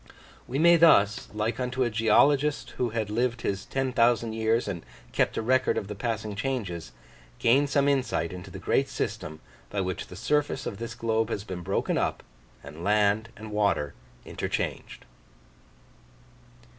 We may thus, like unto a geologist who had lived his ten thousand years and kept a record of the passing changes, gain some insight into the great system by which the surface of this globe has been broken up, and land and water interchanged.